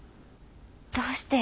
どうして？